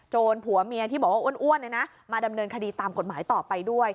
ผัวเมียที่บอกว่าอ้วนมาดำเนินคดีตามกฎหมายต่อไปด้วย